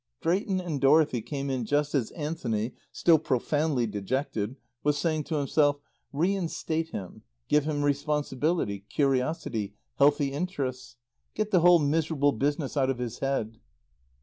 Drayton and Dorothy came in just as Anthony (still profoundly dejected) was saying to himself, "Reinstate him. Give him responsibility curiosity healthy interests. Get the whole miserable business out of his head."